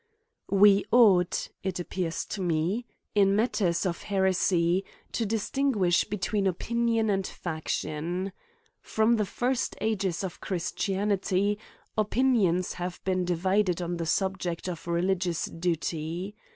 WE ought, it appears to me, in matters of heresy, to distmguish between opinion midjaction. From the first ages of Christianity, opinions have been divided on the subject of religious duty.